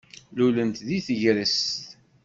Lulent deg tegrest.